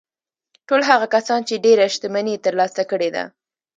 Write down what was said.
ټول هغه کسان چې ډېره شتمني يې ترلاسه کړې ده.